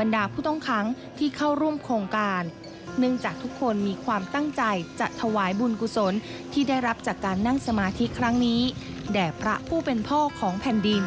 บรรดาผู้ต้องค้างที่เข้าร่วมโครงการเนื่องจากทุกคนมีความตั้งใจจะถวายบุญกุศลที่ได้รับจากการนั่งสมาธิครั้งนี้แด่พระผู้เป็นพ่อของแผ่นดิน